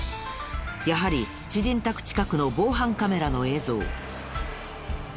やはり知人宅近くの防犯カメラの映像。